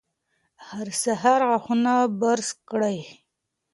هر سهار غاښونه برس کړئ.